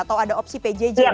atau ada opsi pjj gitu ya